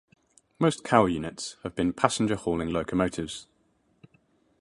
Most cowl units have been passenger-hauling locomotives.